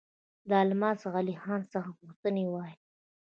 د الماس علي خان څخه غوښتي وای.